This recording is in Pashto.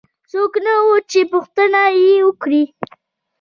څوک نه وو چې پوښتنه وکړي.